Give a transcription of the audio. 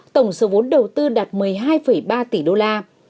tổng số vốn đầu tư đạt một mươi hai ba tỷ đô la